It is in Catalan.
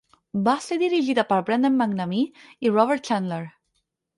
Va ser dirigida per Brendan McNamee i Robert Chandler.